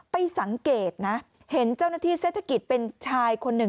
ไปสังเกตนะเห็นเจ้าหน้าที่เศรษฐกิจเป็นชายคนหนึ่ง